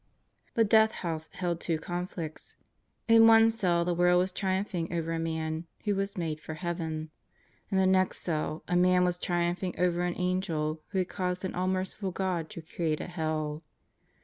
The Death House held two conflicts: In one cell, the world was triumphing over a man who was made for heaven. In the next cell, a man was triumphing over an angel who had caused an all merciful God to create a hell.